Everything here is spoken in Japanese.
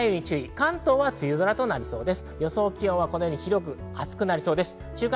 関東は梅雨空となりそうです。